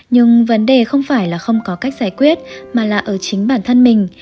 nhưng vấn đề không phải là không có cách giải quyết mà là ở chính bản thân mình